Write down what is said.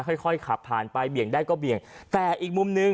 ค่อยค่อยขับผ่านไปเบี่ยงได้ก็เบี่ยงแต่อีกมุมหนึ่ง